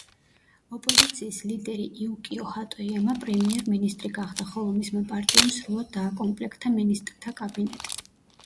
ოპოზიციის ლიდერი იუკიო ჰატოიამა პრემიერ-მინისტრი გახდა, ხოლო მისმა პარტიამ სრულად დააკომპლექტა მინისტრთა კაბინეტი.